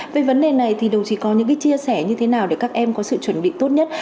về vấn đề này thì đồng chí có những chia sẻ như thế nào để các em có sự chuẩn bị tốt nhất